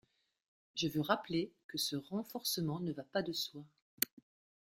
Je veux rappeler que ce renforcement ne va pas de soi.